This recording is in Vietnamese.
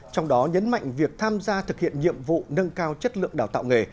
trong đó nhấn mạnh việc tham gia thực hiện nhiệm vụ nâng cao chất lượng đào tạo nghề